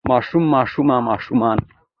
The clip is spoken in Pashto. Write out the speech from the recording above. ماشوم ماشومه ماشومان